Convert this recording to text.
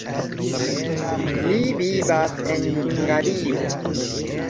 Li vivas en Hungario.